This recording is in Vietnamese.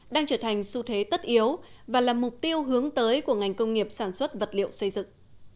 đang trở thành xu thế tất yếu và là mục tiêu hướng tới của ngành công nghiệp sản xuất vật liệu xây dựng